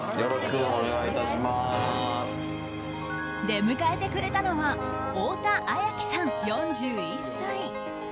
出迎えてくれたのは太田綾希さん、４１歳。